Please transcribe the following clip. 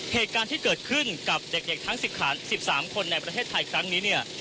เหตุการณ์ที่เกิดขึ้นกับเด็กทั้ง๑๓คนในประเทศไทยครั้งนี้เนี่ย